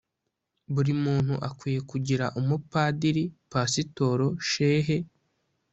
" Buri muntu akwiye kugira umupadiri/pasitoro/shehe